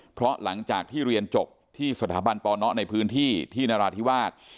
เพราะหลังจากที่เรียนจบที่สถาบันปนในพื้นที่ที่นราธิวาส